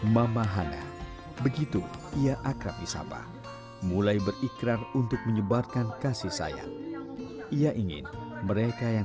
mama hana begitu ia akrab di sabah mulai berikrar untuk menyebarkan kasih sayang ia ingin mereka yang